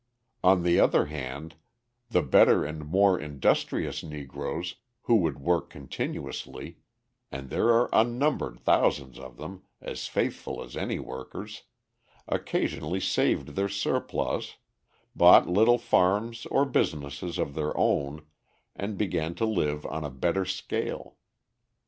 On the other hand the better and more industrious Negroes, who would work continuously and there are unnumbered thousands of them, as faithful as any workers occasionally saved their surplus, bought little farms or businesses of their own and began to live on a better scale.